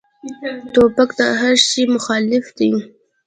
توپک د هر شي مخالف دی.